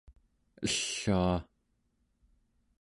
ellua!